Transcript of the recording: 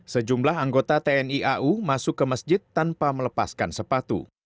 sejumlah anggota tni au masuk ke masjid tanpa melepaskan sepatu